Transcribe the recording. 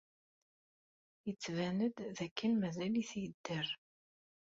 Yettban-d dakken mazal-it yedder.